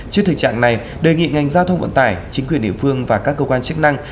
trước thực trạng này đề nghị ngành giao thông vận tải chính quyền địa phương và các cơ quan chức năng